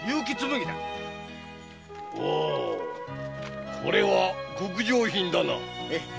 おうこれは極上品だな。